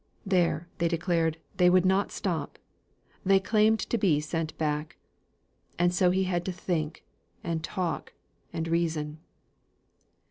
There, they declared, they would not stop; they claimed to be sent back. And so he had to think, and talk, and reason.